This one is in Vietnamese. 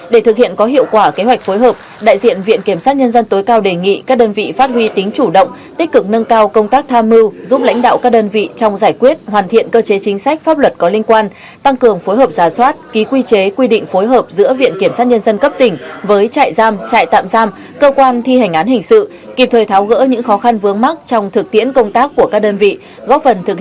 để thực hiện có hiệu quả kế hoạch phối hợp đại diện viện kiểm sát nhân dân tối cao đề nghị các đơn vị phát huy tính chủ động tích cực nâng cao công tác tham mưu giúp lãnh đạo các đơn vị trong giải quyết hoàn thiện cơ chế chính sách pháp luật có liên quan tăng cường phối hợp giả soát ký quy chế quy định phối hợp giữa viện kiểm sát nhân dân cấp tỉnh với trại giam trại tạm giam cơ quan thi hành án hình sự kịp thời tháo gỡ những khó khăn vướng mắc trong thực tiễn công tác của các đơn vị góp phần thực